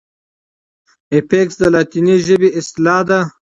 افکس د لاتیني ژبي اصطلاح ده.